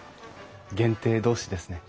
限定同士ですね。